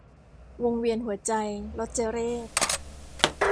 วงเวียนหัวใจ - รจเรข